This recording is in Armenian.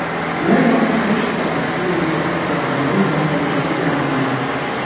Նաև ասաց, որ չի պատրաստվում երիտասարդ տաղանդներին վարձավճարով հանձնել։